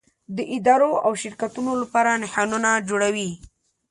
د ادارو او شرکتونو لپاره نښانونه جوړوي.